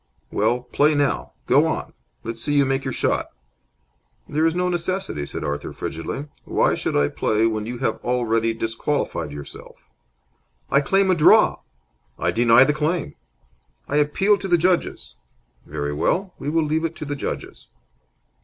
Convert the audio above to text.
"Well, play now. Go on! Let's see you make your shot." "There is no necessity," said Arthur, frigidly. "Why should I play when you have already disqualified yourself?" "I claim a draw!" "I deny the claim." "I appeal to the judges." "Very well. We will leave it to the judges."